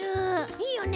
いいよね。